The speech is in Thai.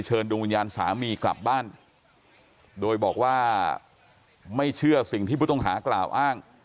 ดวงวิญญาณสามีกลับบ้านโดยบอกว่าไม่เชื่อสิ่งที่ผู้ต้องหากล่าวอ้าง